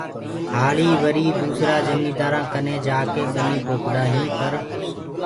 هآݪي وري دوسرآ جميندآرو ڪني جآڪي ٻني پوکدو هي پر